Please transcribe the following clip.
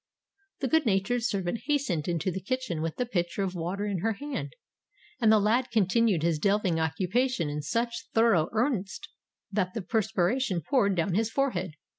The good natured servant hastened into the kitchen with the pitcher of water in her hand; and the lad continued his delving occupation in such thorough earnest that the perspiration poured down his forehead.